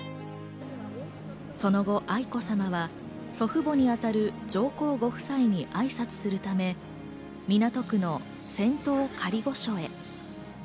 その後、愛子さまは祖父母にあたる上皇ご夫妻に挨拶するため、港区の仙洞仮御所へ。